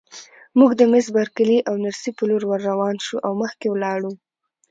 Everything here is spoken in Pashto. موږ د مس بارکلي او نرسې په لور ورروان شوو او مخکې ولاړو.